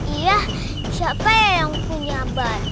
iya siapa yang punya ban